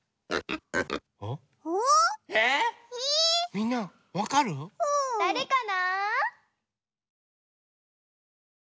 みんなわかる？だれかな？